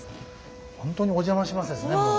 本当にお邪魔しますですねもう。